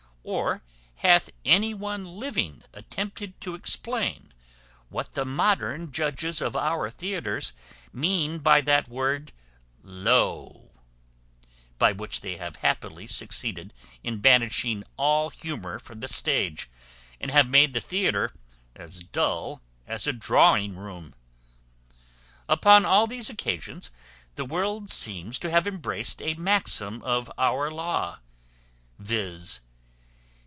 Or hath any one living attempted to explain what the modern judges of our theatres mean by that word low; by which they have happily succeeded in banishing all humour from the stage, and have made the theatre as dull as a drawing room! Upon all these occasions the world seems to have embraced a maxim of our law, viz.